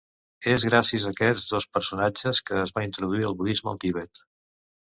És gràcies a aquests dos personatges que es va introduir el budisme al Tibet.